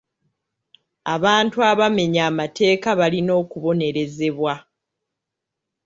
Abantu abamenya amateeka balina okubonerezebwa.